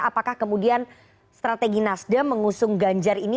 apakah kemudian strategi nasdem mengusung ganjar ini